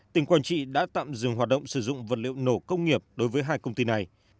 tỉnh quảng trị đã tạm dừng hoạt động sử dụng vật liệu nổ công nghiệp đối với hai công ty này